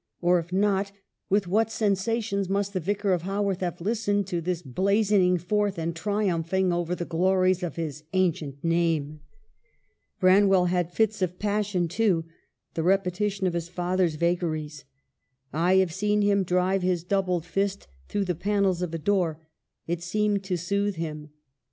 Or if not, with what sensations must the Vicar of Haworth have listened to this bla zoning forth and triumphing over the glories of his ancient name ? Branwell had fits of passion, too, the repeti tion of his father's vagaries. " I have seen him drive his doubled fist through the panels of a door — it seemed to soothe him."